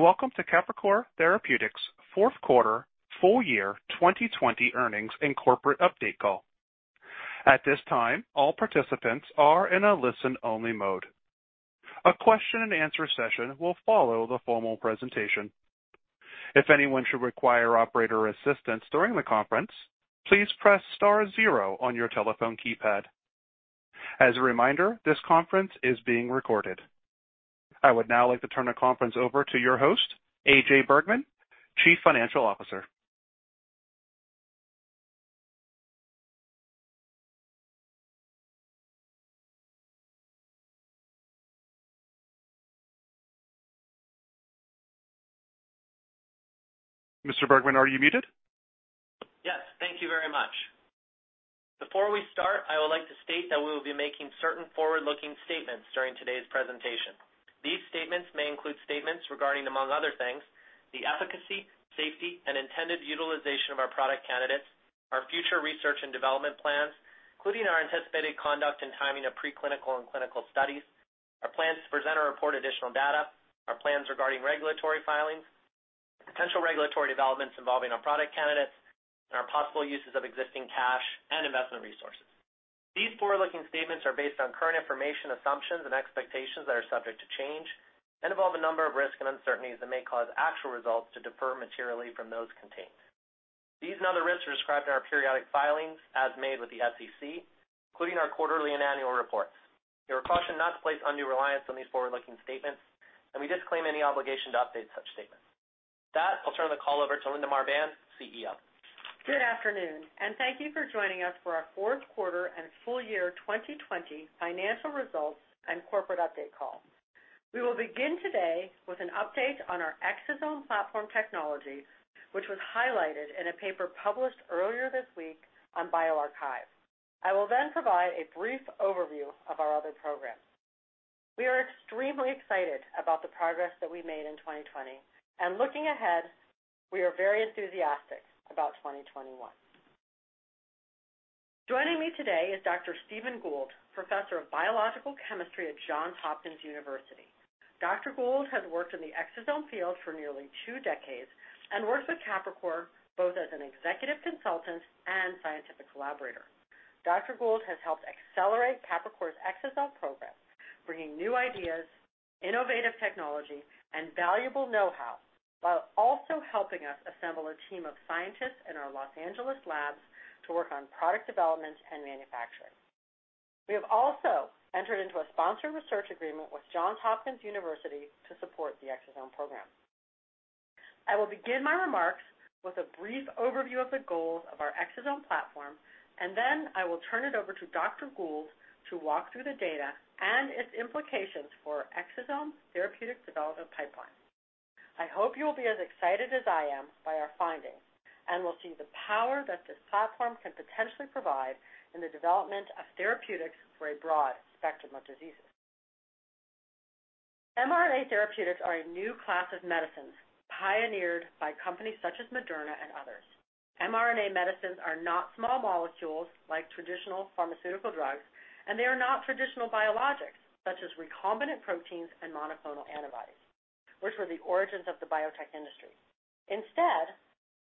Greetings. Welcome to Capricor Therapeutics' fourth quarter, full year 2020 earnings and corporate update call. At this time, all participants are in a listen-only mode. A question and answer session will follow the formal presentation. If anyone should require operator assistance during the conference, please press star zero on your telephone keypad. As a reminder, this conference is being recorded. I would now like to turn the conference over to your host, AJ Bergmann, Chief Financial Officer. Mr. Bergmann, are you muted? Yes. Thank you very much. Before we start, I would like to state that we will be making certain forward-looking statements during today's presentation. These statements may include statements regarding, among other things, the efficacy, safety, and intended utilization of our product candidates, our future research and development plans, including our anticipated conduct and timing of preclinical and clinical studies, our plans to present or report additional data, our plans regarding regulatory filings, potential regulatory developments involving our product candidates, and our possible uses of existing cash and investment resources. These forward-looking statements are based on current information, assumptions and expectations that are subject to change, involve a number of risks and uncertainties that may cause actual results to differ materially from those contained. These and other risks are described in our periodic filings as made with the SEC, including our quarterly and annual reports. You are cautioned not to place undue reliance on these forward-looking statements. We disclaim any obligation to update such statements. With that, I'll turn the call over to Linda Marbán, CEO. Good afternoon. Thank you for joining us for our fourth quarter and full year 2020 financial results and corporate update call. We will begin today with an update on our exosome platform technology, which was highlighted in a paper published earlier this week on bioRxiv. I will provide a brief overview of our other programs. We are extremely excited about the progress that we made in 2020. Looking ahead, we are very enthusiastic about 2021. Joining me today is Dr. Stephen Gould, Professor of Biological Chemistry at Johns Hopkins University. Dr. Gould has worked in the exosome field for nearly two decades and works with Capricor both as an executive consultant and scientific collaborator. Dr. Gould has helped accelerate Capricor's exosome program, bringing new ideas, innovative technology, and valuable know-how, while also helping us assemble a team of scientists in our Los Angeles labs to work on product development and manufacturing. We have also entered into a sponsored research agreement with Johns Hopkins University to support the exosome program. I will begin my remarks with a brief overview of the goals of our exosome platform, and then I will turn it over to Dr. Gould to walk through the data and its implications for our exosome therapeutic development pipeline. I hope you will be as excited as I am by our findings and will see the power that this platform can potentially provide in the development of therapeutics for a broad spectrum of diseases. mRNA therapeutics are a new class of medicines pioneered by companies such as Moderna and others. mRNA medicines are not small molecules like traditional pharmaceutical drugs. They are not traditional biologics, such as recombinant proteins and monoclonal antibodies, which were the origins of the biotech industry. Instead,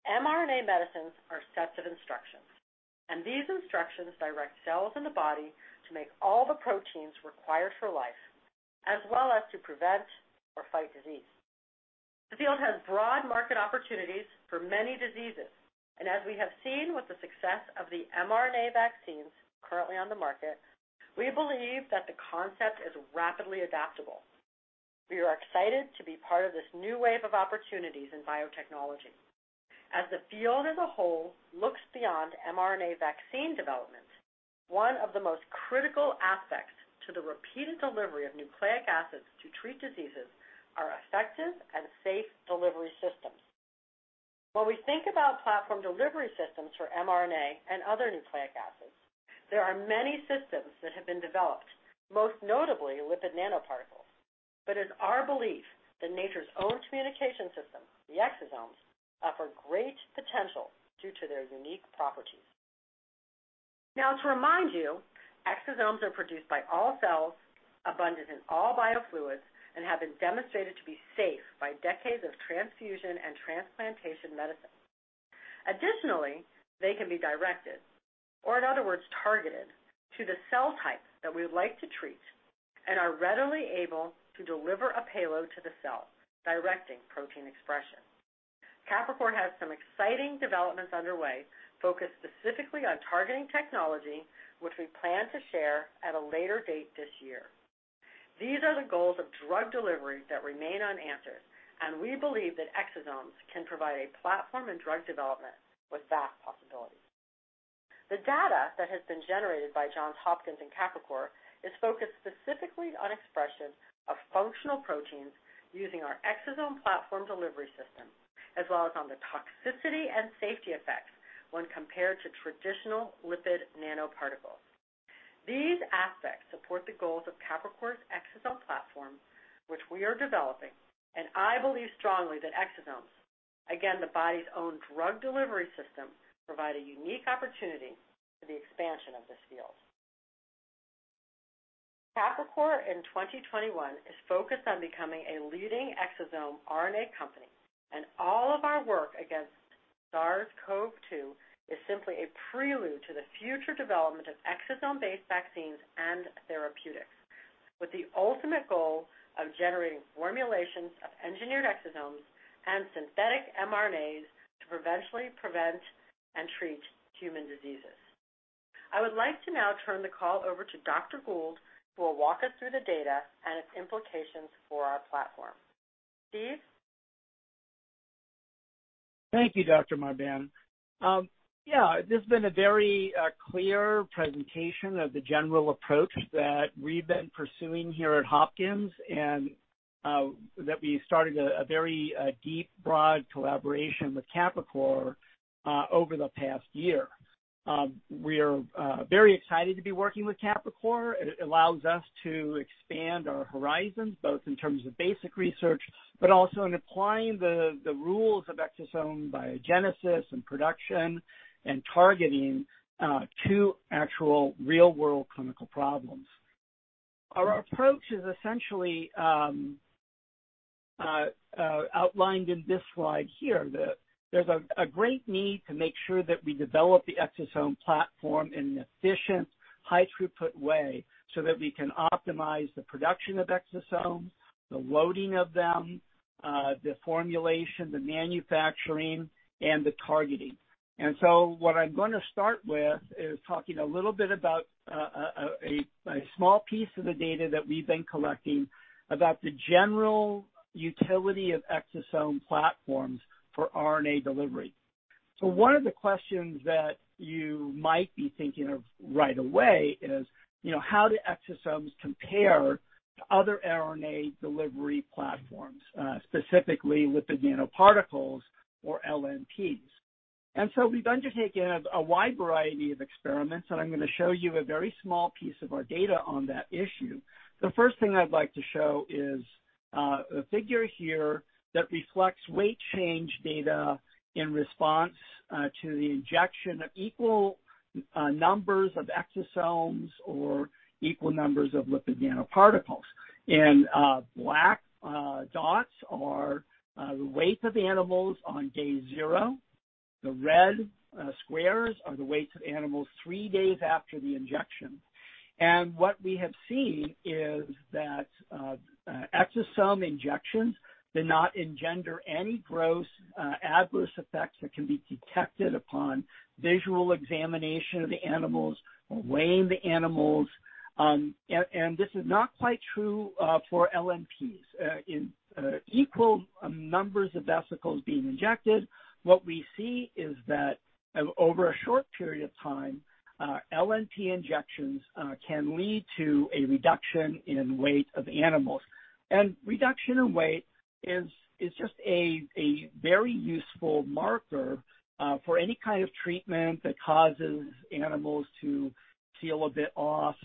mRNA medicines are sets of instructions. These instructions direct cells in the body to make all the proteins required for life, as well as to prevent or fight disease. The field has broad market opportunities for many diseases. As we have seen with the success of the mRNA vaccines currently on the market, we believe that the concept is rapidly adaptable. We are excited to be part of this new wave of opportunities in biotechnology. As the field as a whole looks beyond mRNA vaccine development, one of the most critical aspects to the repeated delivery of nucleic acids to treat diseases are effective and safe delivery systems. When we think about platform delivery systems for mRNA and other nucleic acids, there are many systems that have been developed, most notably lipid nanoparticles. It's our belief that nature's own communication system, the exosomes, offer great potential due to their unique properties. Now to remind you, exosomes are produced by all cells, abundant in all biofluids, and have been demonstrated to be safe by decades of transfusion and transplantation medicine. Additionally, they can be directed, or in other words, targeted to the cell type that we would like to treat and are readily able to deliver a payload to the cell, directing protein expression. Capricor has some exciting developments underway focused specifically on targeting technology, which we plan to share at a later date this year. These are the goals of drug delivery that remain unanswered. We believe that exosomes can provide a platform in drug development with vast possibilities. The data that has been generated by Johns Hopkins and Capricor is focused specifically on expression of functional proteins using our exosome platform delivery system, as well as on the toxicity and safety effects when compared to traditional lipid nanoparticles. These aspects support the goals of Capricor's exosome platform, which we are developing, and I believe strongly that exosomes, again, the body's own drug delivery system, provide a unique opportunity for the expansion of this field. Capricor in 2021 is focused on becoming a leading exosome mRNA company, and all of our work against SARS-CoV-2 is simply a prelude to the future development of exosome-based vaccines and therapeutics, with the ultimate goal of generating formulations of engineered exosomes and synthetic mRNAs to eventually prevent and treat human diseases. I would like to now turn the call over to Dr. Gould, who will walk us through the data and its implications for our platform. Steve? Thank you, Dr. Marbán. Yeah, this has been a very clear presentation of the general approach that we've been pursuing here at Hopkins and that we started a very deep, broad collaboration with Capricor over the past year. We are very excited to be working with Capricor. It allows us to expand our horizons, both in terms of basic research, but also in applying the rules of exosome biogenesis and production and targeting to actual real-world clinical problems. Our approach is essentially outlined in this slide here. There's a great need to make sure that we develop the exosome platform in an efficient, high-throughput way so that we can optimize the production of exosomes, the loading of them, the formulation, the manufacturing, and the targeting. What I'm going to start with is talking a little bit about a small piece of the data that we've been collecting about the general utility of exosome platforms for mRNA delivery. So one of the questions that you might be thinking of right away is, how do exosomes compare to other mRNA delivery platforms, specifically lipid nanoparticles or LNPs? We've undertaken a wide variety of experiments, and I'm going to show you a very small piece of our data on that issue. The first thing I'd like to show is a figure here that reflects weight change data in response to the injection of equal numbers of exosomes or equal numbers of lipid nanoparticles. Black dots are the weight of animals on day zero. The red squares are the weights of animals three days after the injection. What we have seen is that exosome injections did not engender any gross adverse effects that can be detected upon visual examination of the animals or weighing the animals. This is not quite true for LNPs. In equal numbers of vesicles being injected, what we see is that over a short period of time, LNP injections can lead to a reduction in weight of animals. Reduction in weight is just a very useful marker for any kind of treatment that causes animals to feel a bit off.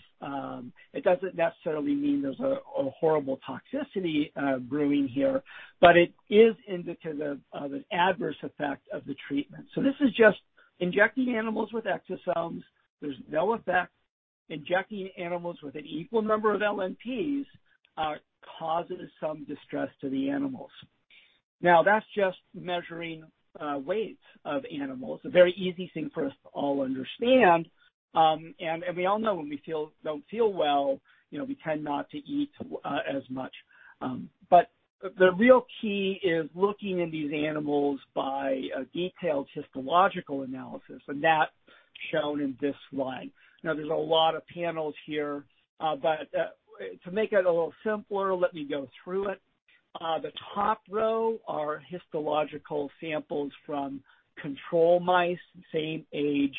It doesn't necessarily mean there's a horrible toxicity brewing here, but it is indicative of an adverse effect of the treatment. So this is just injecting animals with exosomes. There's no effect. Injecting animals with an equal number of LNPs causes some distress to the animals. That's just measuring weights of animals, a very easy thing for us to all understand, and we all know when we don't feel well, we tend not to eat as much. The real key is looking in these animals by a detailed histological analysis, and that's shown in this slide. There's a lot of panels here, but to make it a little simpler, let me go through it. The top row are histological samples from control mice, same age,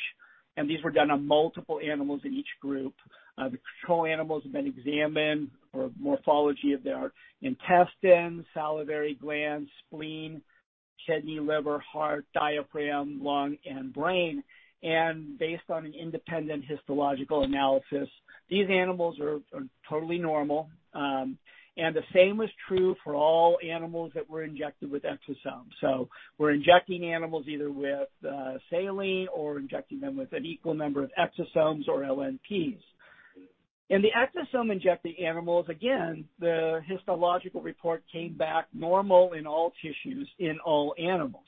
and these were done on multiple animals in each group. The control animals have been examined for morphology of their intestines, salivary glands, spleen, kidney, liver, heart, diaphragm, lung, and brain. Based on an independent histological analysis, these animals are totally normal. The same was true for all animals that were injected with exosomes. We're injecting animals either with saline or injecting them with an equal number of exosomes or LNPs. In the exosome-injected animals, again, the histological report came back normal in all tissues in all animals.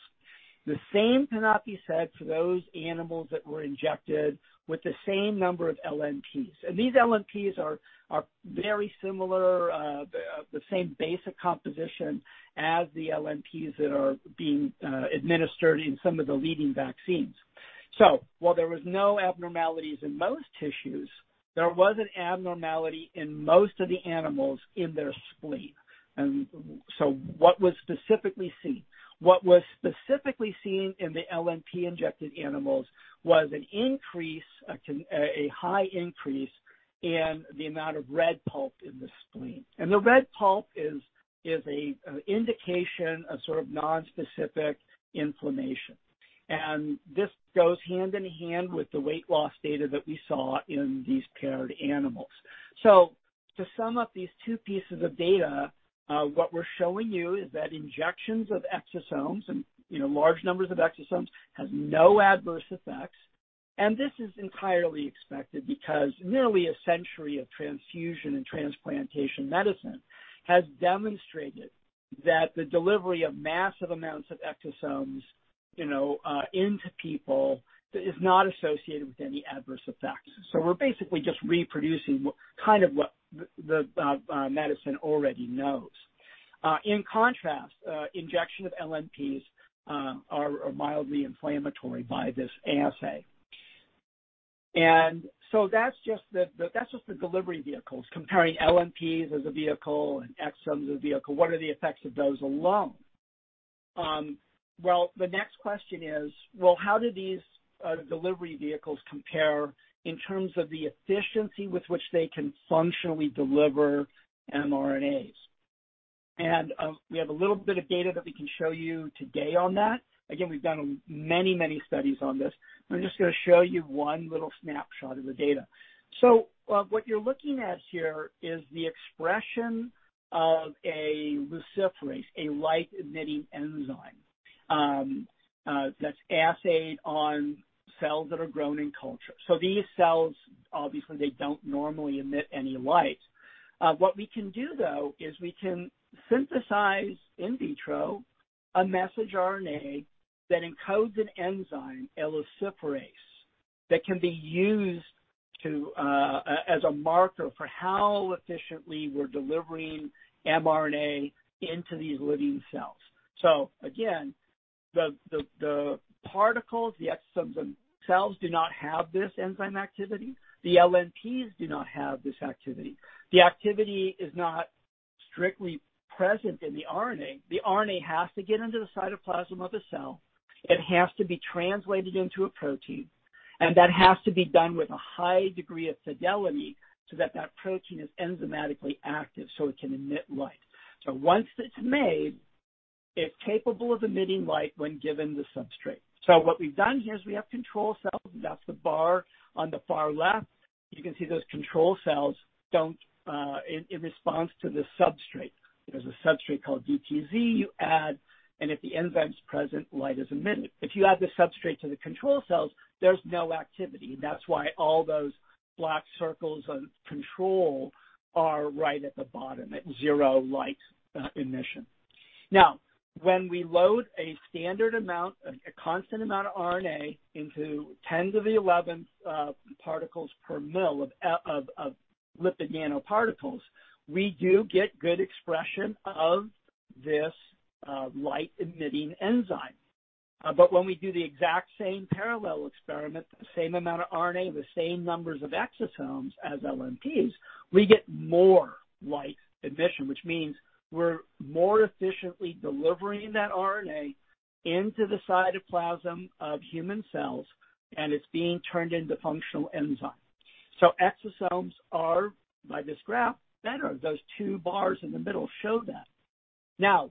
The same cannot be said for those animals that were injected with the same number of LNPs. These LNPs are very similar, the same basic composition as the LNPs that are being administered in some of the leading vaccines. While there was no abnormalities in most tissues, there was an abnormality in most of the animals in their spleen. What was specifically seen? What was specifically seen in the LNP-injected animals was a high increase in the amount of red pulp in the spleen. The red pulp is an indication of sort of nonspecific inflammation. This goes hand in hand with the weight loss data that we saw in these paired animals. To sum up these two pieces of data, what we're showing you is that injections of exosomes and large numbers of exosomes has no adverse effects. This is entirely expected because nearly a century of transfusion and transplantation medicine has demonstrated that the delivery of massive amounts of exosomes into people is not associated with any adverse effects. We're basically just reproducing what the medicine already knows. In contrast, injection of LNPs are mildly inflammatory by this assay. That's just the delivery vehicles comparing LNPs as a vehicle and exosomes as a vehicle. What are the effects of those alone? The next question is, how do these delivery vehicles compare in terms of the efficiency with which they can functionally deliver mRNAs? We have a little bit of data that we can show you today on that. We've done many studies on this. I'm just going to show you one little snapshot of the data. What you're looking at here is the expression of a luciferase, a light-emitting enzyme, that's assayed on cells that are grown in culture. These cells, obviously they don't normally emit any light. What we can do though is we can synthesize in vitro a messenger RNA that encodes an enzyme, luciferase, that can be used as a marker for how efficiently we're delivering mRNA into these living cells. Again, the particles, the exosomes themselves do not have this enzyme activity. The LNPs do not have this activity. The activity is not strictly present in the RNA. The RNA has to get into the cytoplasm of a cell, it has to be translated into a protein, and that has to be done with a high degree of fidelity so that that protein is enzymatically active so it can emit light. Once it's made, it's capable of emitting light when given the substrate. What we've done here is we have control cells, that's the bar on the far left. You can see those control cells don't, in response to the substrate. There's a substrate called DTZ you add, if the enzyme's present, light is emitted. If you add the substrate to the control cells, there's no activity. That's why all those black circles on control are right at the bottom, at zero light emission. When we load a standard amount, a constant amount of RNA into tens of the 11th particles per mL of lipid nanoparticles, we do get good expression of this light-emitting enzyme. When we do the exact same parallel experiment, the same amount of RNA, the same numbers of exosomes as LNPs, we get more light emission, which means we're more efficiently delivering that RNA into the cytoplasm of human cells, and it's being turned into functional enzyme. Exosomes are, by this graph, better. Those two bars in the middle show that.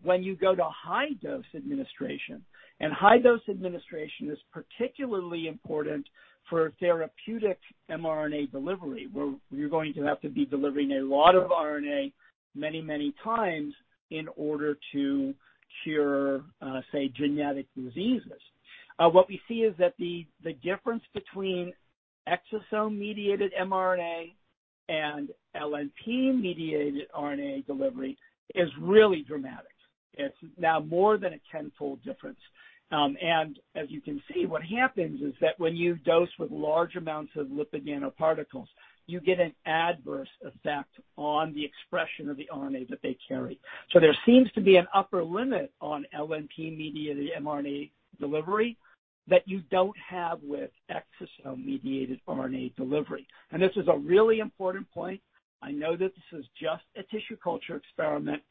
When you go to high dose administration, high dose administration is particularly important for therapeutic mRNA delivery, where you're going to have to be delivering a lot of RNA many times in order to cure, say, genetic diseases. What we see is that the difference between exosome-mediated mRNA and LNP-mediated RNA delivery is really dramatic. It's now more than a 10-fold difference. As you can see, what happens is that when you dose with large amounts of lipid nanoparticles, you get an adverse effect on the expression of the RNA that they carry. There seems to be an upper limit on LNP-mediated mRNA delivery that you don't have with exosome-mediated mRNA delivery. This is a really important point. I know that this is just a tissue culture experiment,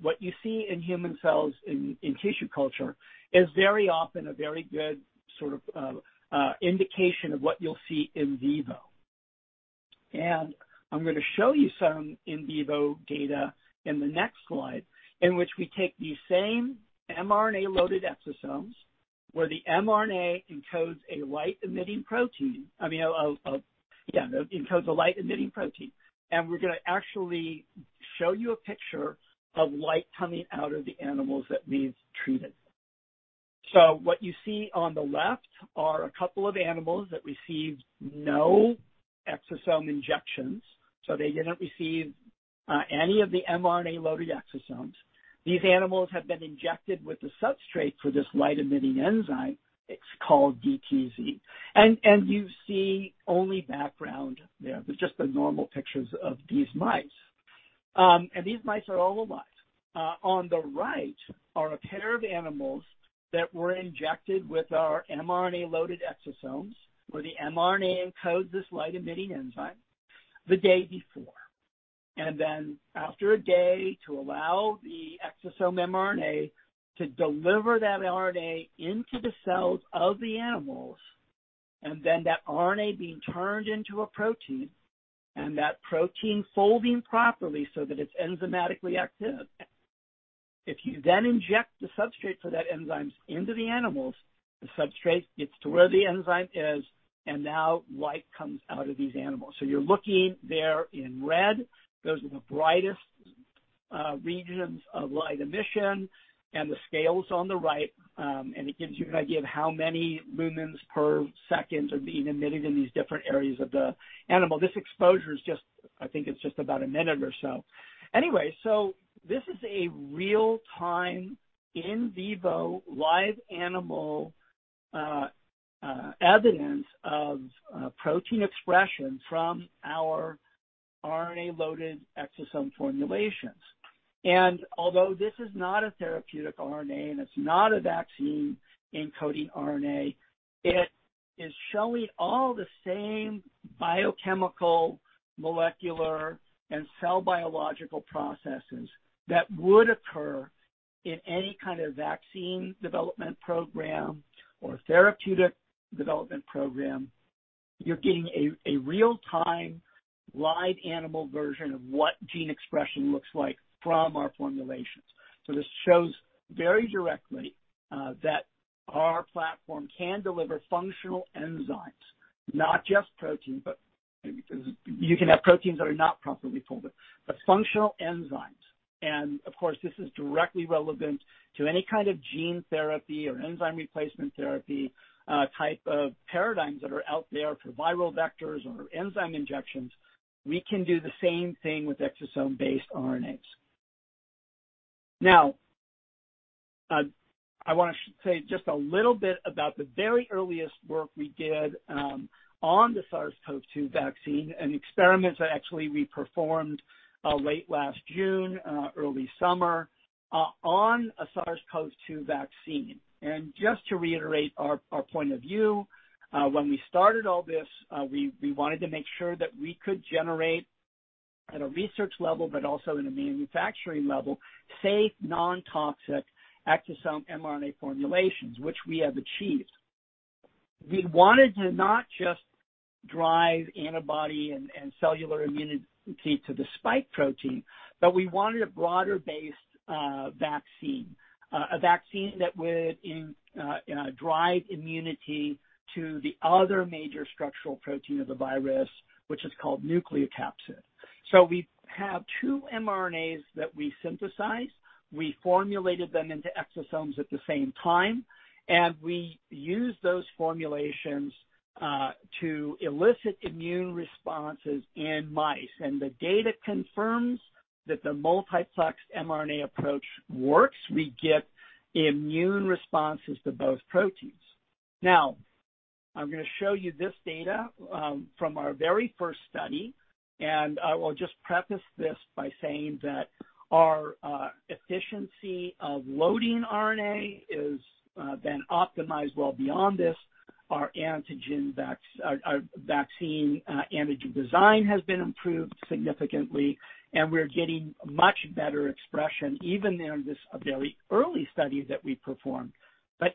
what you see in human cells in tissue culture is very often a very good sort of indication of what you'll see in vivo. I'm going to show you some in vivo data in the next slide, in which we take these same mRNA-loaded exosomes, where the mRNA encodes a light-emitting protein, we're going to actually show you a picture of light coming out of the animals that we've treated. What you see on the left are a couple of animals that received no exosome injections. They didn't receive any of the mRNA-loaded exosomes. These animals have been injected with the substrate for this light-emitting enzyme. It's called DTZ. You see only background there, just the normal pictures of these mice. These mice are all alive. On the right are a pair of animals that were injected with our mRNA-loaded exosomes, where the mRNA encodes this light-emitting enzyme the day before. After a day to allow the exosome mRNA to deliver that RNA into the cells of the animals, and then that RNA being turned into a protein, and that protein folding properly so that it's enzymatically active. If you then inject the substrate for that enzyme into the animals, the substrate gets to where the enzyme is, and now light comes out of these animals. You're looking there in red. Those are the brightest regions of light emission, and the scale's on the right, and it gives you an idea of how many lumens per second are being emitted in these different areas of the animal. This exposure is just, I think it's just about a minute or so. This is a real-time, in vivo, live animal evidence of protein expression from our RNA-loaded exosome formulations. Although this is not a therapeutic RNA, and it's not a vaccine-encoding RNA, it is showing all the same biochemical, molecular, and cell biological processes that would occur in any kind of vaccine development program or therapeutic development program. You're getting a real-time live animal version of what gene expression looks like from our formulations. This shows very directly that our platform can deliver functional enzymes, not just protein, but because you can have proteins that are not properly folded, but functional enzymes. Of course, this is directly relevant to any kind of gene therapy or enzyme replacement therapy type of paradigms that are out there for viral vectors or enzyme injections. We can do the same thing with exosome-based RNAs. I want to say just a little bit about the very earliest work we did on the SARS-CoV-2 vaccine and experiments that actually we performed late last June, early summer, on a SARS-CoV-2 vaccine. Just to reiterate our point of view, when we started all this, we wanted to make sure that we could generate, at a research level but also in a manufacturing level, safe, non-toxic exosome mRNA formulations, which we have achieved. We wanted to not just drive antibody and cellular immunity to the spike protein, but we wanted a broader-based vaccine. A vaccine that would drive immunity to the other major structural protein of the virus, which is called nucleocapsid. We have two mRNAs that we synthesized. We formulated them into exosomes at the same time, and we used those formulations to elicit immune responses in mice. The data confirms that the multiplex mRNA approach works. We get immune responses to both proteins. I'm going to show you this data from our very first study, I will just preface this by saying that our efficiency of loading RNA is then optimized well beyond this. Our vaccine antigen design has been improved significantly, and we're getting much better expression even in this very early study that we performed.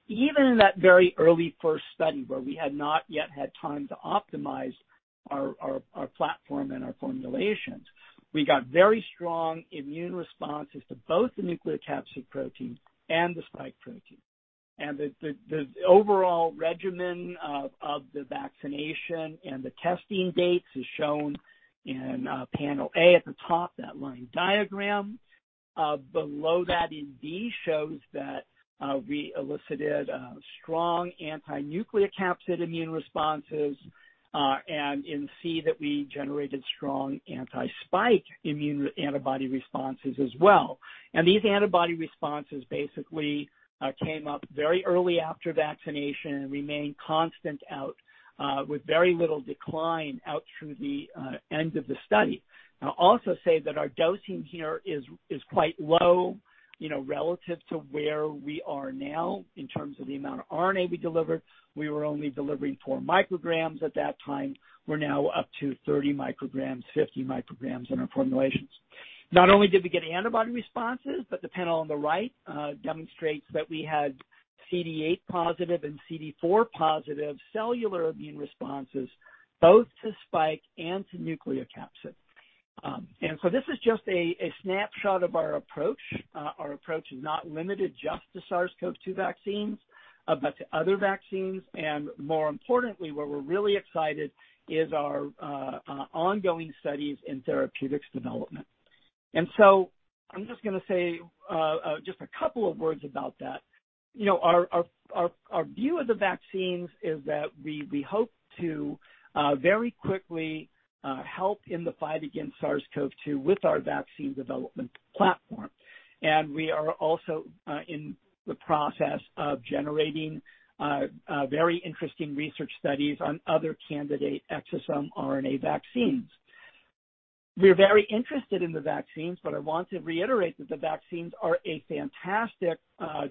Even in that very early first study, where we had not yet had time to optimize our platform and our formulations, we got very strong immune responses to both the nucleocapsid protein and the spike protein. The overall regimen of the vaccination and the testing dates is shown in panel A at the top, that line diagram. Below that in B shows that we elicited strong anti-nucleocapsid immune responses, in C that we generated strong anti-spike immune antibody responses as well. These antibody responses basically came up very early after vaccination and remained constant out with very little decline out through the end of the study. I'll also say that our dosing here is quite low relative to where we are now in terms of the amount of RNA we delivered. We were only delivering four micrograms at that time. We're now up to 30 micrograms, 50 micrograms in our formulations. Not only did we get antibody responses, the panel on the right demonstrates that we had CD8-positive and CD4-positive cellular immune responses both to spike and to nucleocapsid. This is just a snapshot of our approach. Our approach is not limited just to SARS-CoV-2 vaccines, but to other vaccines, more importantly, where we're really excited is our ongoing studies in therapeutics development. I'm just going to say just a couple of words about that. Our view of the vaccines is that we hope to very quickly help in the fight against SARS-CoV-2 with our vaccine development platform. We are also in the process of generating very interesting research studies on other candidate exosome RNA vaccines. We're very interested in the vaccines, I want to reiterate that the vaccines are a fantastic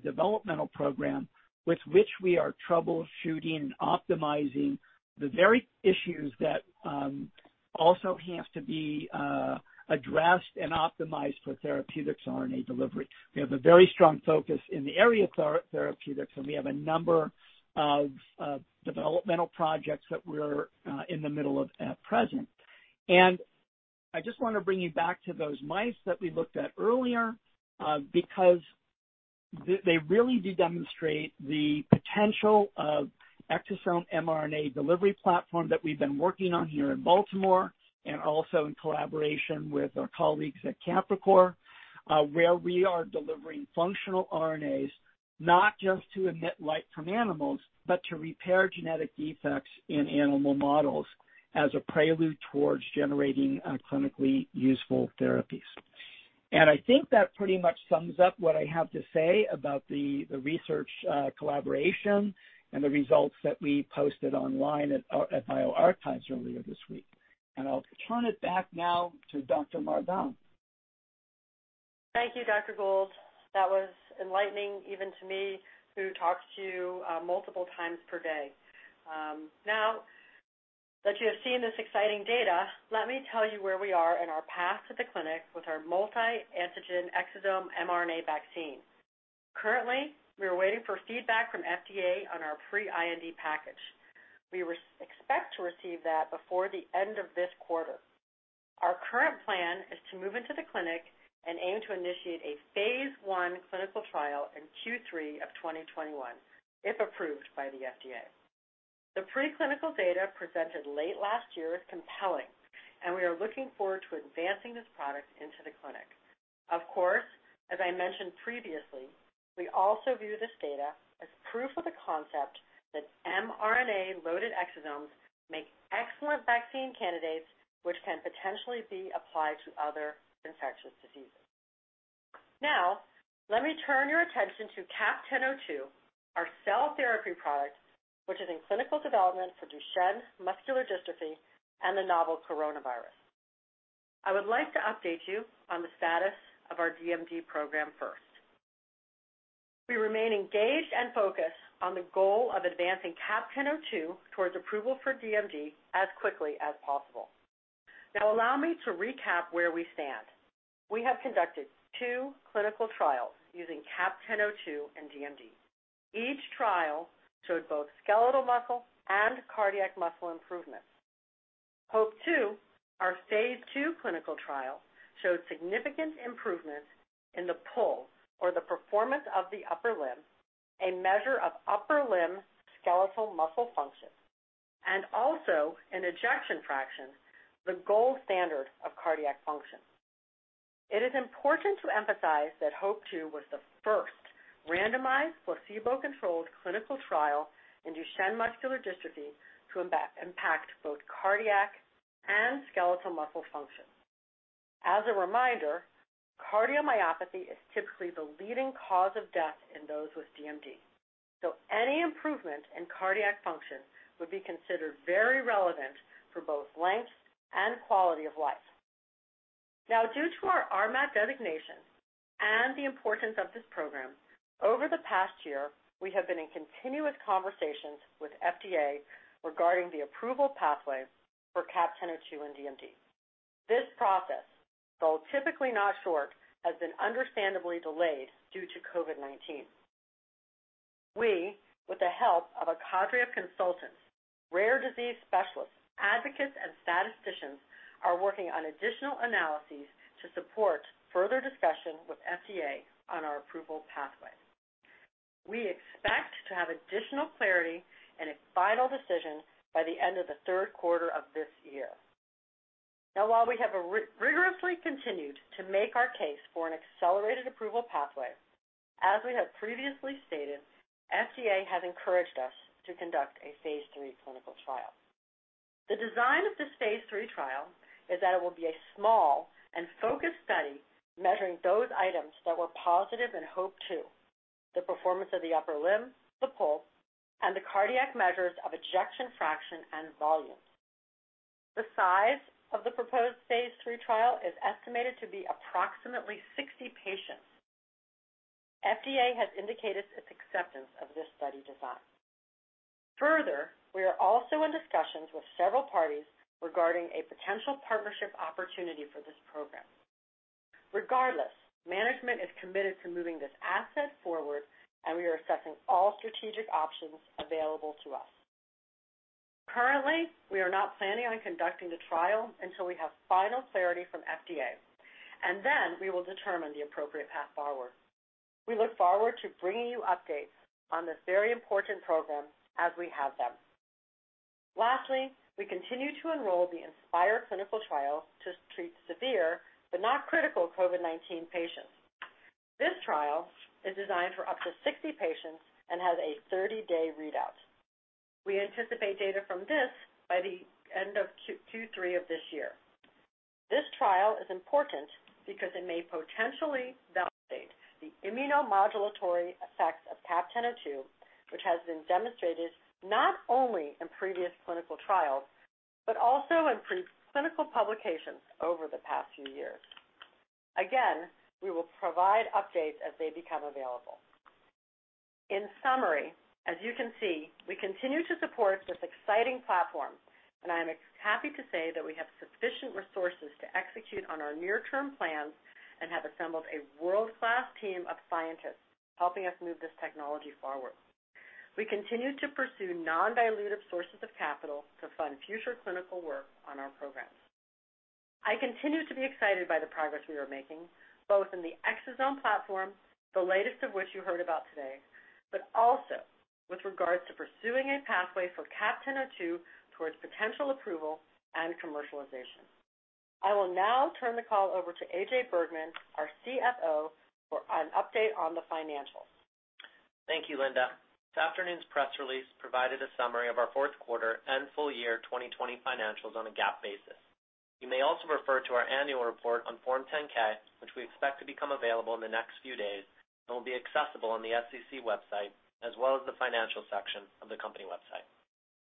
developmental program with which we are troubleshooting and optimizing the very issues that also have to be addressed and optimized for therapeutics RNA delivery. We have a very strong focus in the area of therapeutics, we have a number of developmental projects that we're in the middle of at present. I just want to bring you back to those mice that we looked at earlier, because they really do demonstrate the potential of exosome mRNA delivery platform that we've been working on here in Baltimore, also in collaboration with our colleagues at Capricor, where we are delivering functional RNAs, not just to emit light from animals, but to repair genetic defects in animal models as a prelude towards generating clinically useful therapies. I think that pretty much sums up what I have to say about the research collaboration and the results that we posted online at bioRxiv earlier this week. I'll turn it back now to Dr. Marbán. Thank you, Dr. Gould. That was enlightening even to me, who talks to you multiple times per day. Now that you have seen this exciting data, let me tell you where we are in our path to the clinic with our multi-antigen exosome mRNA vaccine. Currently, we are waiting for feedback from FDA on our pre-IND package. We expect to receive that before the end of this quarter. Our current plan is to move into the clinic and aim to initiate a phase I clinical trial in Q3 of 2021, if approved by the FDA. The pre-clinical data presented late last year is compelling, we are looking forward to advancing this product into the clinic. Of course, as I mentioned previously, we also view this data as proof of the concept that mRNA-loaded exosomes make excellent vaccine candidates, which can potentially be applied to other infectious diseases. Let me turn your attention to CAP-1002, our cell therapy product, which is in clinical development for Duchenne muscular dystrophy and the novel coronavirus. I would like to update you on the status of our DMD program first. We remain engaged and focused on the goal of advancing CAP-1002 towards approval for DMD as quickly as possible. Allow me to recap where we stand. We have conducted 2 clinical trials using CAP-1002 and DMD. Each trial showed both skeletal muscle and cardiac muscle improvements. HOPE-2, our phase II clinical trial, showed significant improvements in the PUL, or the Performance of the Upper Limb, a measure of upper limb skeletal muscle function, and also in ejection fraction, the gold standard of cardiac function. It is important to emphasize that HOPE-2 was the first randomized, placebo-controlled clinical trial in Duchenne muscular dystrophy to impact both cardiac and skeletal muscle function. As a reminder, cardiomyopathy is typically the leading cause of death in those with DMD. Any improvement in cardiac function would be considered very relevant for both length and quality of life. Due to our RMAT designation and the importance of this program, over the past year, we have been in continuous conversations with FDA regarding the approval pathway for CAP-1002 and DMD. This process, though typically not short, has been understandably delayed due to COVID-19. We, with the help of a cadre of consultants, rare disease specialists, advocates, and statisticians, are working on additional analyses to support further discussion with FDA on our approval pathway. We expect to have additional clarity and a final decision by the end of the third quarter of this year. While we have rigorously continued to make our case for an accelerated approval pathway, as we have previously stated, FDA has encouraged us to conduct a phase III clinical trial. The design of this phase III trial is that it will be a small and focused study measuring those items that were positive in HOPE-2, the Performance of the Upper Limb, the PUL, and the cardiac measures of ejection fraction and volume. The size of the proposed phase III trial is estimated to be approximately 60 patients. FDA has indicated its acceptance of this study design. We are also in discussions with several parties regarding a potential partnership opportunity for this program. Regardless, management is committed to moving this asset forward, we are assessing all strategic options available to us. Currently, we are not planning on conducting the trial until we have final clarity from FDA, then we will determine the appropriate path forward. We look forward to bringing you updates on this very important program as we have them. We continue to enroll the INSPIRE clinical trial to treat severe but not critical COVID-19 patients. This trial is designed for up to 60 patients and has a 30-day readout. We anticipate data from this by the end of Q3 of this year. This trial is important because it may potentially validate the immunomodulatory effects of CAP-1002, which has been demonstrated not only in previous clinical trials, but also in pre-clinical publications over the past few years. We will provide updates as they become available. In summary, as you can see, we continue to support this exciting platform. I'm happy to say that we have sufficient resources to execute on our near-term plans and have assembled a world-class team of scientists helping us move this technology forward. We continue to pursue non-dilutive sources of capital to fund future clinical work on our programs. I continue to be excited by the progress we are making, both in the exosome platform, the latest of which you heard about today, also with regards to pursuing a pathway for CAP-1002 towards potential approval and commercialization. I will now turn the call over to AJ Bergmann, our CFO, for an update on the financials. Thank you, Linda. This afternoon's press release provided a summary of our fourth quarter and full year 2020 financials on a GAAP basis. You may also refer to our annual report on Form 10-K, which we expect to become available in the next few days and will be accessible on the SEC website, as well as the financial section of the company website.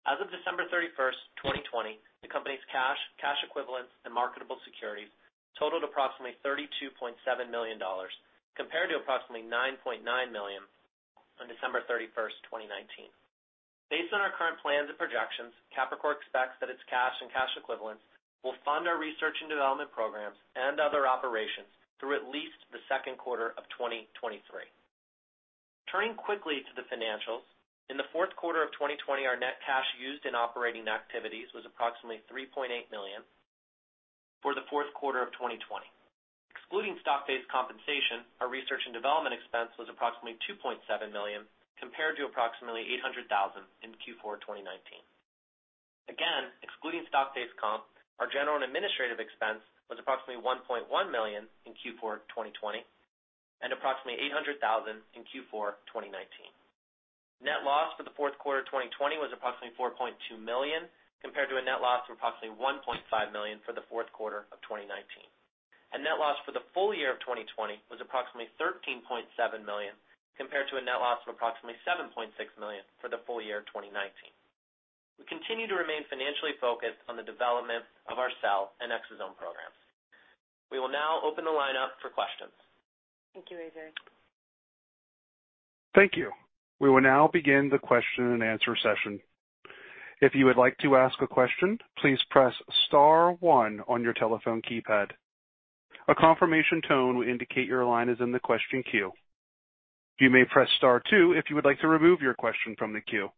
As of December 31st, 2020, the company's cash equivalents, and marketable securities totaled approximately $32.7 million, compared to approximately $9.9 million on December 31st, 2019. Based on our current plans and projections, Capricor expects that its cash and cash equivalents will fund our research and development programs and other operations through at least the second quarter of 2023. Turning quickly to the financials, in the fourth quarter of 2020, our net cash used in operating activities was approximately $3.8 million for the fourth quarter of 2020. Excluding stock-based compensation, our research and development expense was approximately $2.7 million, compared to approximately $800,000 in Q4 2019. Again, excluding stock-based comp, our general and administrative expense was approximately $1.1 million in Q4 2020 and approximately $800,000 in Q4 2019. Net loss for the fourth quarter 2020 was approximately $4.2 million, compared to a net loss of approximately $1.5 million for the fourth quarter of 2019. Net loss for the full year of 2020 was approximately $13.7 million, compared to a net loss of approximately $7.6 million for the full year of 2019. We continue to remain financially focused on the development of our cell and exosome programs. We will now open the line up for questions. Thank you, AJ. Thank you. We will now begin the question and answer session. If you would like to ask a question, please press *1 on your telephone keypad. A confirmation tone will indicate your line is in the question queue. You may press *2 if you would like to remove your question from the queue.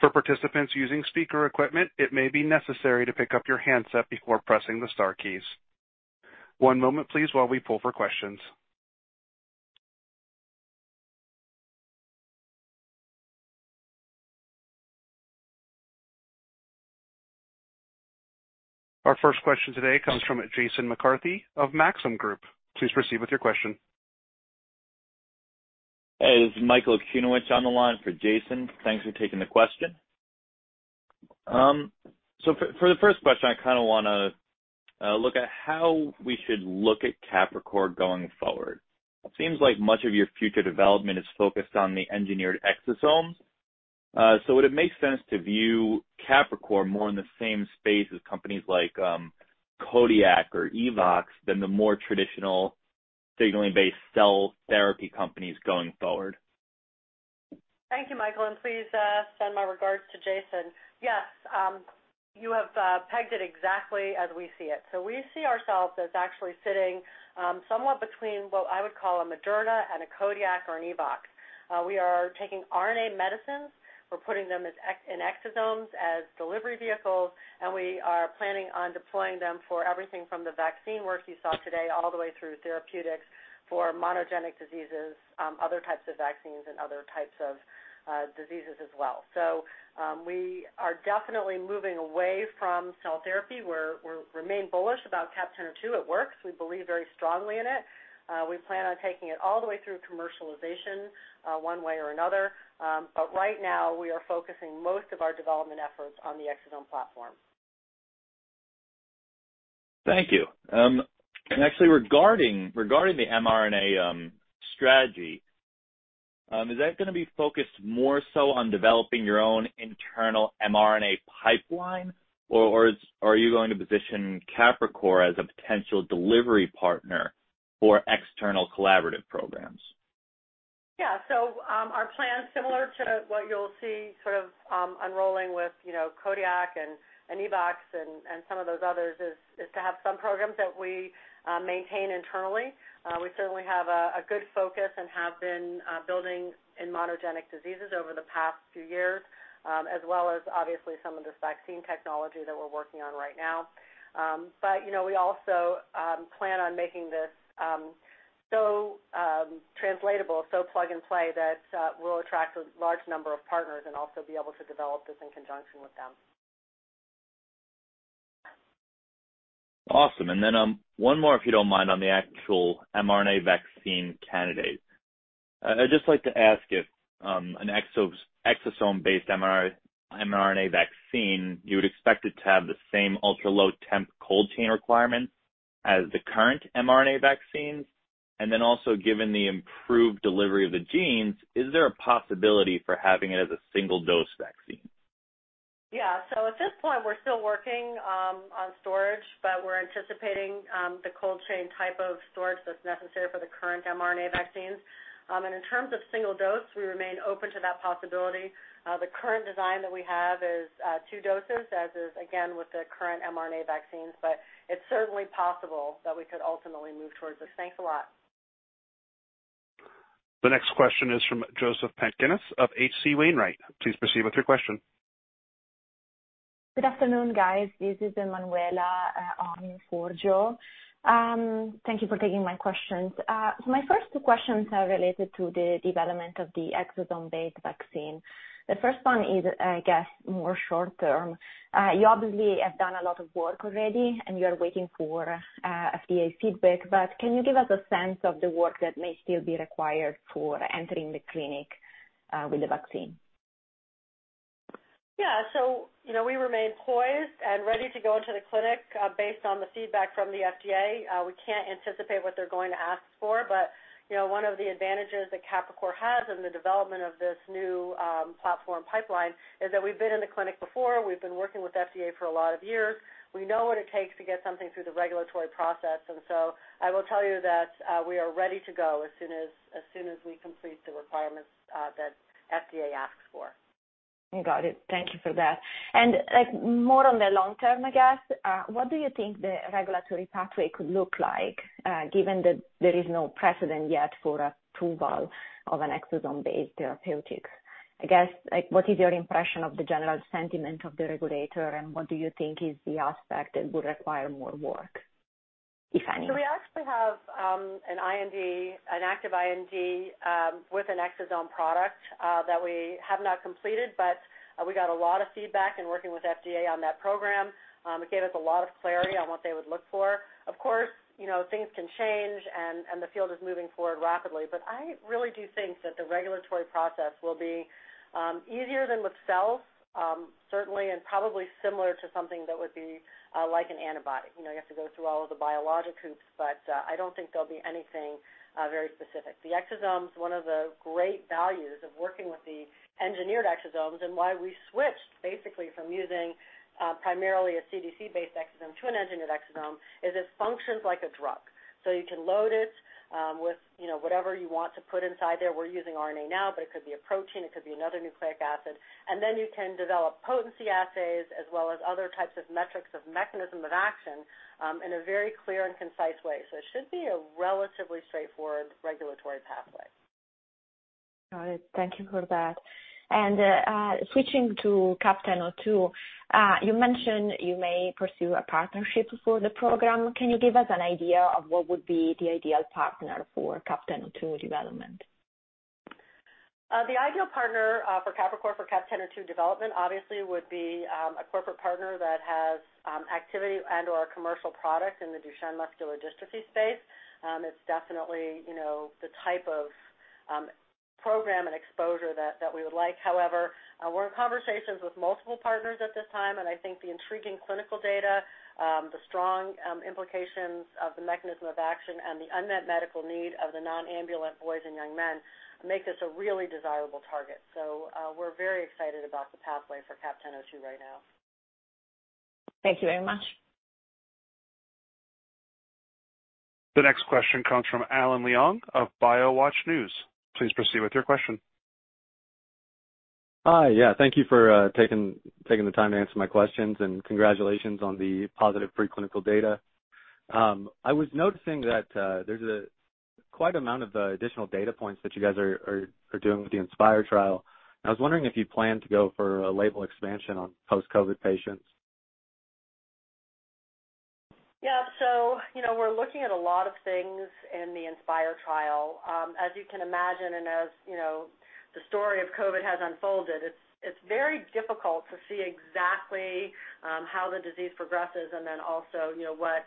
For participants using speaker equipment, it may be necessary to pick up your handset before pressing the star keys. One moment, please, while we pull for questions. Our first question today comes from Jason McCarthy of Maxim Group. Please proceed with your question. Hey, this is Michael Okunewitch on the line for Jason. Thanks for taking the question. For the first question, I kind of want to look at how we should look at Capricor going forward. It seems like much of your future development is focused on the engineered exosomes. Would it make sense to view Capricor more in the same space as companies like Codiak or Evox than the more traditional signaling-based cell therapy companies going forward? Thank you, Michael, and please send my regards to Jason. Yes, you have pegged it exactly as we see it. We see ourselves as actually sitting somewhat between what I would call a Moderna and a Codiak or an Evox. We are taking RNA medicines. We're putting them in exosomes as delivery vehicles, and we are planning on deploying them for everything from the vaccine work you saw today all the way through therapeutics for monogenic diseases, other types of vaccines, and other types of diseases as well. We are definitely moving away from cell therapy. We remain bullish about CAP-1002. It works. We believe very strongly in it. We plan on taking it all the way through commercialization one way or another. Right now, we are focusing most of our development efforts on the exosome platform. Thank you. Actually, regarding the mRNA strategy, is that going to be focused more so on developing your own internal mRNA pipeline? Or are you going to position Capricor as a potential delivery partner for external collaborative programs? Our plan is similar to what you'll see sort of unrolling with Codiak and Evox and some of those others, is to have some programs that we maintain internally. We certainly have a good focus and have been building in monogenic diseases over the past few years, as well as obviously some of this vaccine technology that we're working on right now. We also plan on making this so translatable, so plug and play, that we'll attract a large number of partners and also be able to develop this in conjunction with them. Awesome. One more, if you don't mind, on the actual mRNA vaccine candidate. I'd just like to ask if an exosome-based mRNA vaccine, you would expect it to have the same ultra-low temp cold chain requirement as the current mRNA vaccines? Also given the improved delivery of the genes, is there a possibility for having it as a single-dose vaccine? At this point, we're still working on storage, but we're anticipating the cold chain type of storage that's necessary for the current mRNA vaccines. In terms of single dose, we remain open to that possibility. The current design that we have is two doses, as is again with the current mRNA vaccines, it's certainly possible that we could ultimately move towards this. Thanks a lot. The next question is from Joseph Pantginis of H.C. Wainwright. Please proceed with your question. Good afternoon, guys. This is Emanuela, for Joe. Thank you for taking my questions. My first two questions are related to the development of the exosome-based vaccine. The first one is, I guess, more short term. You obviously have done a lot of work already, and you're waiting for FDA feedback, can you give us a sense of the work that may still be required for entering the clinic with the vaccine? We remain poised and ready to go into the clinic, based on the feedback from the FDA. We can't anticipate what they're going to ask for, one of the advantages that Capricor has in the development of this new platform pipeline is that we've been in the clinic before. We've been working with FDA for a lot of years. We know what it takes to get something through the regulatory process. I will tell you that we are ready to go as soon as we complete the requirements that FDA asks for. Got it. Thank you for that. More on the long term, I guess. What do you think the regulatory pathway could look like given that there is no precedent yet for approval of an exosome-based therapeutic? I guess, what is your impression of the general sentiment of the regulator, what do you think is the aspect that would require more work, if any? We actually have an active IND with an exosome product that we have not completed, we got a lot of feedback in working with FDA on that program. It gave us a lot of clarity on what they would look for. Of course, things can change, the field is moving forward rapidly. I really do think that the regulatory process will be easier than with cells, certainly, and probably similar to something that would be like an antibody. You have to go through all of the biologic hoops, I don't think there'll be anything very specific. The exosome's one of the great values of working with the engineered exosomes and why we switched basically from using primarily a CDCs-based exosome to an engineered exosome, is it functions like a drug. You can load it with whatever you want to put inside there. We're using RNA now, but it could be a protein, it could be another nucleic acid. You can develop potency assays as well as other types of metrics of mechanism of action in a very clear and concise way. It should be a relatively straightforward regulatory pathway. Got it. Thank you for that. Switching to CAP-1002, you mentioned you may pursue a partnership for the program. Can you give us an idea of what would be the ideal partner for CAP-1002 development? The ideal partner for Capricor for CAP-1002 development obviously would be a corporate partner that has activity and/or commercial product in the Duchenne muscular dystrophy space. It's definitely the type of program and exposure that we would like. However, we're in conversations with multiple partners at this time, and I think the intriguing clinical data, the strong implications of the mechanism of action, and the unmet medical need of the non-ambulant boys and young men make this a really desirable target. We're very excited about the pathway for CAP-1002 right now. Thank you very much. The next question comes from Alan Leong of BioWatch News. Please proceed with your question. Hi. Yeah. Thank you for taking the time to answer my questions. Congratulations on the positive pre-clinical data. I was noticing that there's quite amount of additional data points that you guys are doing with the INSPIRE trial. I was wondering if you plan to go for a label expansion on post-COVID patients. Yeah. We're looking at a lot of things in the INSPIRE trial. As you can imagine, as the story of COVID has unfolded, it's very difficult to see exactly how the disease progresses, also what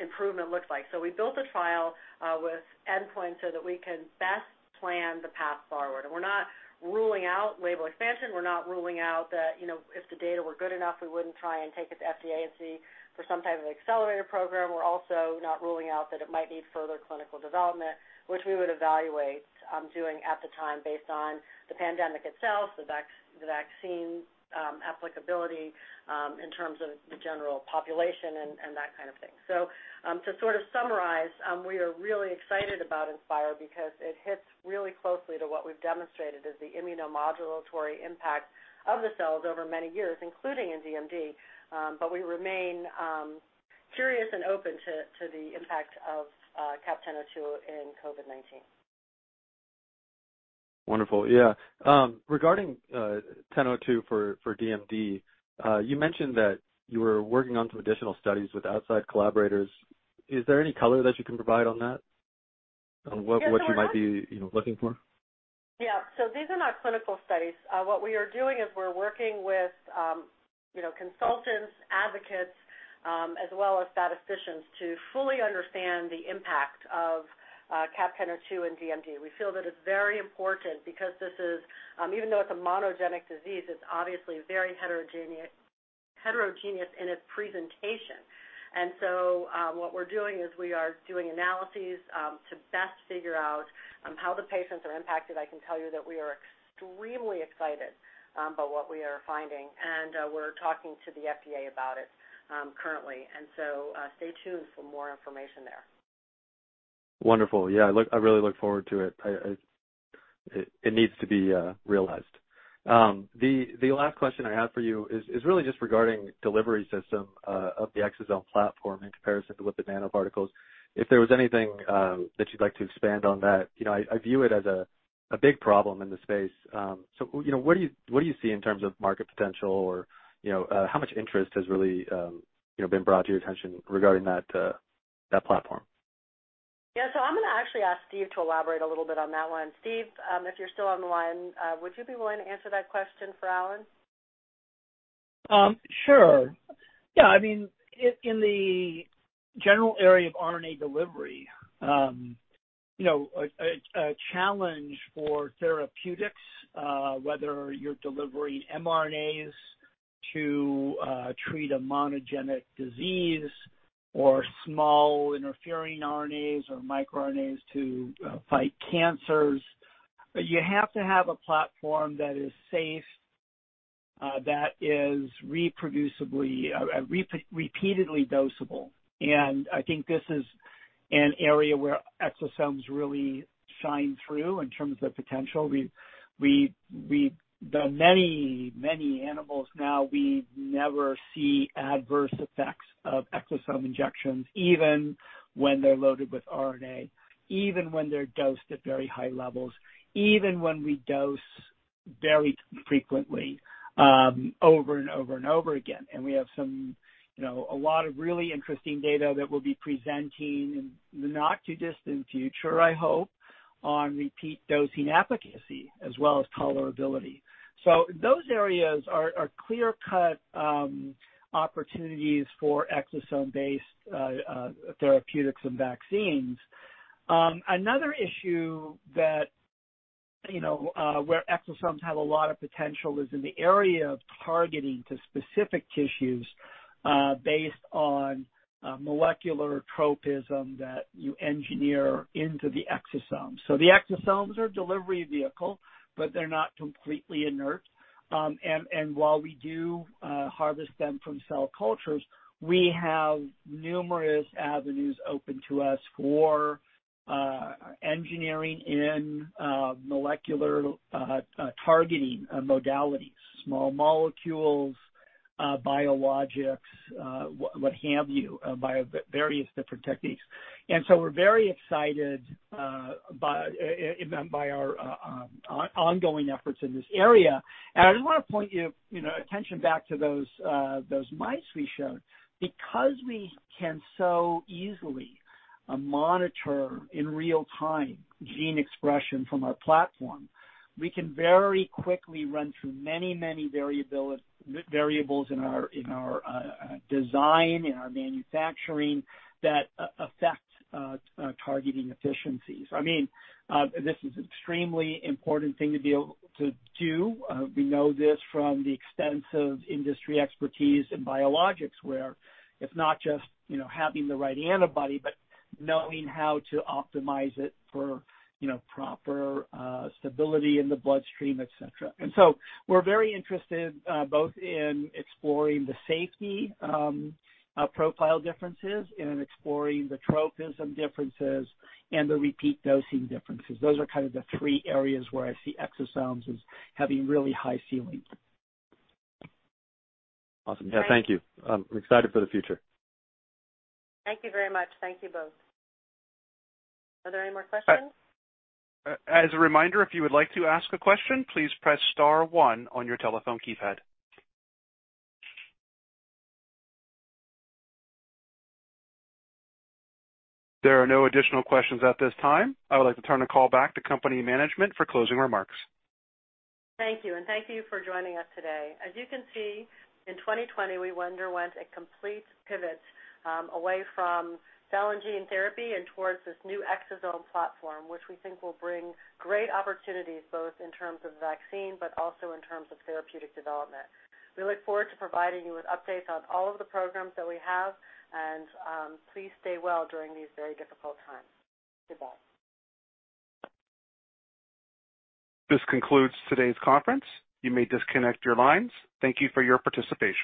improvement looks like. We built the trial with endpoints so that we can best plan the path forward. We're not ruling out label expansion. We're not ruling out that if the data were good enough, we wouldn't try and take it to FDA and see for some type of accelerator program. We're also not ruling out that it might need further clinical development, which we would evaluate doing at the time based on the pandemic itself, the vaccine applicability in terms of the general population, and that kind of thing. To sort of summarize, we are really excited about INSPIRE because it hits really closely to what we've demonstrated is the immunomodulatory impact of the cells over many years, including in DMD. We remain curious and open to the impact of CAP-1002 in COVID-19. Wonderful. Yeah. Regarding CAP-1002 for DMD, you mentioned that you were working on some additional studies with outside collaborators. Is there any color that you can provide on that? Sure. On what you might be looking for? Yeah. These are not clinical studies. What we are doing is we're working with consultants, advocates, as well as statisticians to fully understand the impact of CAP-1002 in DMD. We feel that it's very important because even though it's a monogenic disease, it's obviously very heterogeneous in its presentation. What we're doing is we are doing analyses to best figure out how the patients are impacted. I can tell you that we are extremely excited about what we are finding, and we're talking to the FDA about it currently. Stay tuned for more information there. Wonderful. Yeah. I really look forward to it. It needs to be realized. The last question I have for you is really just regarding delivery system of the exosome platform in comparison to lipid nanoparticles. If there was anything that you'd like to expand on that, I view it as a big problem in the space. What do you see in terms of market potential or how much interest has really been brought to your attention regarding that platform? I'm going to actually ask Steve to elaborate a little bit on that one. Steve, if you're still on the line, would you be willing to answer that question for Alan? Sure. In the general area of RNA delivery, a challenge for therapeutics, whether you're delivering mRNAs to treat a monogenic disease or small interfering RNAs or microRNAs to fight cancers, you have to have a platform that is safe, that is repeatedly dosable, and I think this is an area where exosomes really shine through in terms of potential. The many, many animals now, we never see adverse effects of exosome injections, even when they're loaded with RNA, even when they're dosed at very high levels, even when we dose very frequently, over and over and over again. We have a lot of really interesting data that we'll be presenting in the not too distant future, I hope, on repeat dosing efficacy as well as tolerability. Those areas are clear-cut opportunities for exosome-based therapeutics and vaccines. Another issue where exosomes have a lot of potential is in the area of targeting to specific tissues based on molecular tropism that you engineer into the exosome. The exosomes are a delivery vehicle, but they're not completely inert. While we do harvest them from cell cultures, we have numerous avenues open to us for engineering in molecular targeting modalities, small molecules, biologics, what have you, by various different techniques. We're very excited by our ongoing efforts in this area. I just want to point your attention back to those mice we showed. Because we can so easily monitor in real time gene expression from our platform, we can very quickly run through many, many variables in our design, in our manufacturing, that affect targeting efficiencies. This is an extremely important thing to be able to do. We know this from the extensive industry expertise in biologics, where it's not just having the right antibody, but knowing how to optimize it for proper stability in the bloodstream, et cetera. We're very interested both in exploring the safety profile differences and in exploring the tropism differences and the repeat dosing differences. Those are kind of the three areas where I see exosomes as having really high ceilings. Awesome. Yeah. Thank you. I'm excited for the future. Thank you very much. Thank you both. Are there any more questions? As a reminder, if you would like to ask a question, please press star one on your telephone keypad. There are no additional questions at this time. I would like to turn the call back to company management for closing remarks. Thank you, and thank you for joining us today. As you can see, in 2020, we underwent a complete pivot away from cell and gene therapy and towards this new exosome platform, which we think will bring great opportunities, both in terms of vaccine, but also in terms of therapeutic development. We look forward to providing you with updates on all of the programs that we have, and please stay well during these very difficult times. Goodbye. This concludes today's conference. You may disconnect your lines. Thank you for your participation.